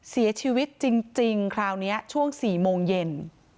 เสียชีวิตจริงจริงคราวเนี้ยช่วงสี่โมงเย็น